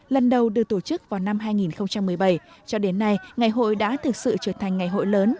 lần đầu được tổ chức vào năm hai nghìn một mươi bảy cho đến nay ngày hội đã thực sự trở thành ngày hội lớn